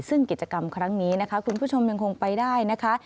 ซึ่งกิจกรรมครั้งนี้นะคะคุณผู้ชมยังคงไปได้นะคะ